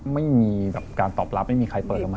ไม่มีแบบการตอบรับไม่มีใครเปิดออกมา